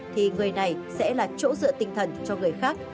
thì người này sẽ là chỗ dựa tinh thần cho người khác